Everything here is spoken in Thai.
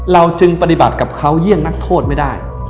เราจึงปฏิบัติกับเขาเยี่ยงนักโทษไม่ได้